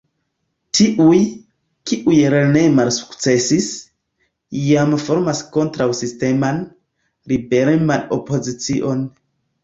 Tiuj, kiuj lerneje malsukcesis, jam formas kontraŭ-sisteman, ribeleman opozicion.